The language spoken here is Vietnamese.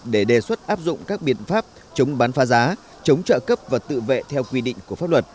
để đề xuất áp dụng các biện pháp chống bán phá giá chống trợ cấp và tự vệ theo quy định của pháp luật